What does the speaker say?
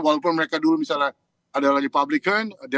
walaupun mereka dulu misalnya adalah republican